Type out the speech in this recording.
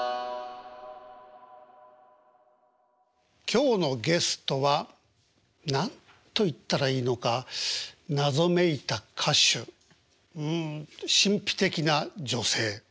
今日のゲストは何と言ったらいいのか謎めいた歌手うん神秘的な女性。